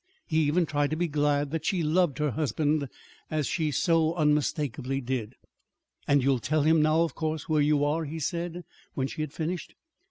He even tried to be glad that she loved her husband, as she so unmistakably did. "And you'll tell him now, of course where you are," he said, when she had finished.